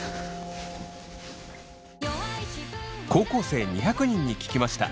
高校生２００人に聞きました。